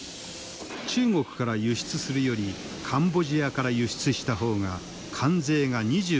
中国から輸出するよりカンボジアから輸出した方が関税が２５％低い。